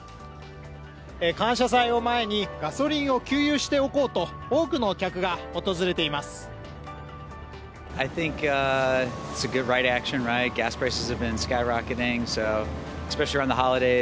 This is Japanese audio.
感謝祭を前にガソリンを給油しておこうと多くの客が訪れています。